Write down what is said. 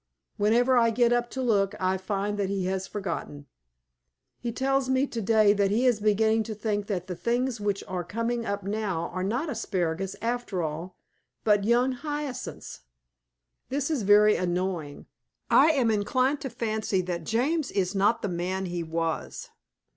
Whenever I get up to look I find that he has forgotten. He tells me to day that he is beginning to think that the things which are coming up now are not asparagus after all, but young hyacinths. This is very annoying. I am inclined to fancy that James is not the man he was.